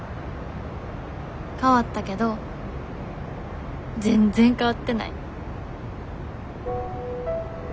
変わったけど全然変わってない。